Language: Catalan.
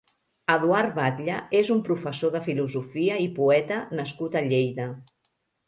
Eduard Batlle és un professor de filosofia i poeta nascut a Lleida.